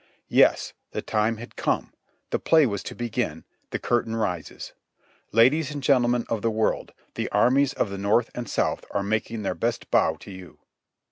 Yes, the time had come, the play was to begin, the curtain rises. Ladies and gentlemen of the world, the armies of the North and South are making their best bow to you